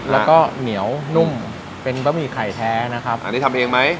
แล้วก็เหนียวนุ่มเป็นบะหมี่ไข่แท้นะครับอันนี้ทำเองไหม